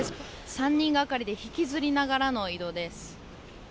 ３人がかりで引きずりながらの移動です。